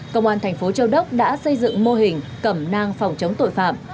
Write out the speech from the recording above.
công an thành phố châu đốc đã xây dựng mô hình cẩm nang phòng chống tội phạm